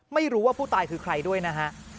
ไม่รู้ว่าผู้ตายคือใครด้วยนะฮะ